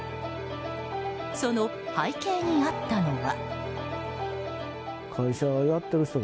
その背景にあったのは。